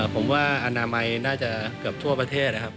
ผมว่าอนามัยน่าจะเกือบทั่วประเทศนะครับ